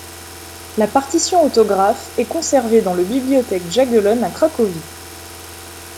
La partition autographe est conservée dans le Bibliothèque Jagellonne à Cracovie.